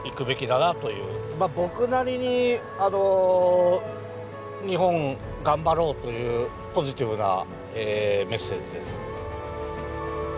僕なりに「日本頑張ろう」というポジティブなメッセージです。